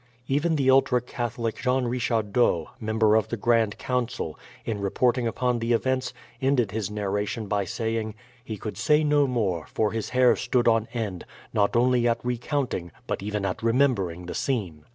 Even the ultra Catholic Jean Richardot, member of the Grand Council, in reporting upon the events, ended his narration by saying "He could say no more, for his hair stood on end, not only at recounting, but even at remembering the scene."